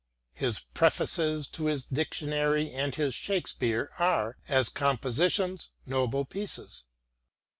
His prefaces to his Dictionary and his Shake speare are, as compositions, noble pieces.